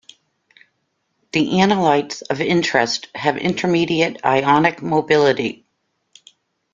The analytes of interest have intermediate ionic mobility.